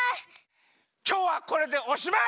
きょうはこれでおしまい！